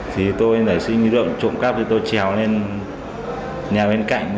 thì tôi để suy nghĩ được trộm cắp thì tôi trèo lên nhà bên cạnh